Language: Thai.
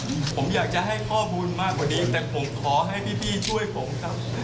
ผมอยากจะให้ข้อมูลมากกว่านี้แต่ผมขอให้พี่ช่วยผมครับ